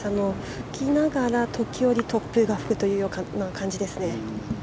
吹きながら時折突風が吹くという感じですね。